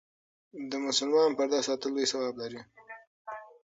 د مسلمان پرده ساتل لوی ثواب لري.